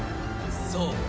そう。